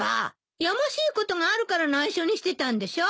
やましいことがあるから内緒にしてたんでしょ。